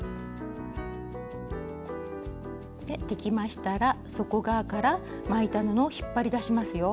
できましたら底側から巻いた布を引っ張り出しますよ。